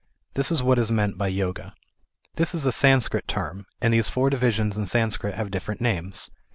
This is what is meant by Yoga. This is a Sanskrit term, and these four divisions in Sanskrit have different names.